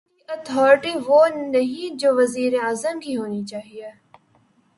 ان کی اتھارٹی وہ نہیں جو وزیر اعظم کی ہونی چاہیے۔